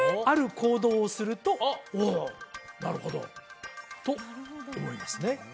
ある行動をするとおおなるほどと思いますね